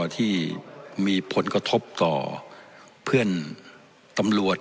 ที่มีผลกระทบต่อเพื่อนตำรวจ